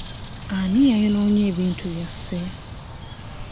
Ani yayonoonye ebintu byaffe?